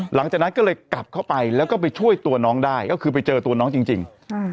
หลังจากนั้นก็เลยกลับเข้าไปแล้วก็ไปช่วยตัวน้องได้ก็คือไปเจอตัวน้องจริง